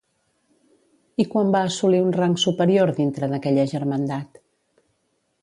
I quan va assolir un rang superior dintre d'aquella germandat?